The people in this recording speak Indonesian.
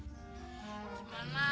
masih beli dia